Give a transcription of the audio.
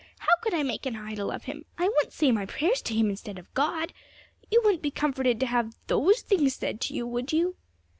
How could I make an idol of him? I wouldn't say my prayers to him instead of God! You wouldn't be comforted to have those things said to you, would you?'